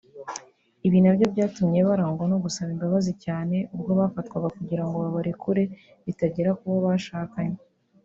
ibi ari nabyo byatumye barangwa no gusaba imbabazi cyane ubwo bafatwaga kugirango babarekure bitagera kubo bashakanye